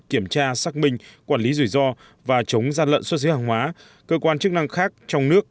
kiểm tra xác minh quản lý rủi ro và chống gian lận xuất xứ hàng hóa cơ quan chức năng khác trong nước